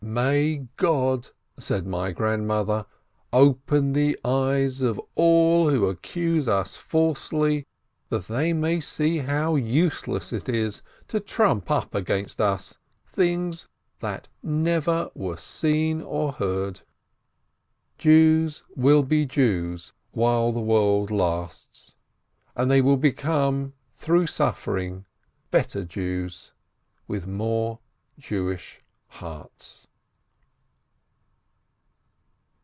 May God — said my Grandmother — open the eyes of all who accuse us falsely, that they may see how use less it is to trump up against us things that never were seen or heard. Jews will be Jews while the world lasts, and they will become, through suffering, better Jews with more Jewish hearts.